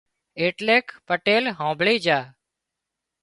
ايٽليڪ پٽيل هامڀۯي جھا